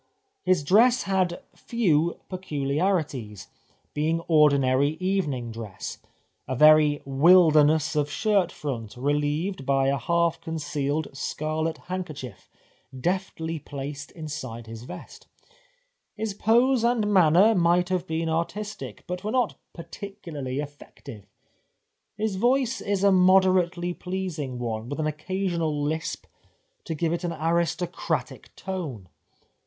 His dress had few pecuharities, being ordinary evening dress, a very wilderness of shirt front, re lieved by a half concealed scarlet handkerchief, deftly placed inside his vest. His pose and manner might have been artistic, but were not particularly effective. His voice is a moderately pleasing one, with an occasional lisp to give it an aristocratic tone.